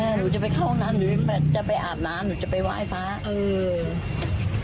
หนูจะไปเข้าห้องน้ำหรือจะไปอาบน้ำหนูจะไปไหว้พระเออ